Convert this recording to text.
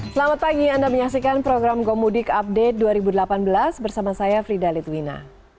selamat pagi anda menyaksikan program gomudik update dua ribu delapan belas bersama saya frida litwina